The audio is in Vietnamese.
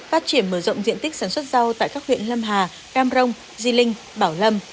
phát triển mở rộng diện tích sản xuất rau tại các huyện lâm hà cam rông di linh bảo lâm